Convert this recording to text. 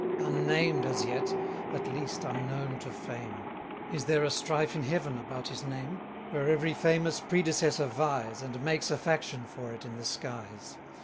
Unnamed as yet; at least unknown to fame: Is there a strife in Heaven about his name, Where every famous predecessor vies, And makes a faction for it in the skies?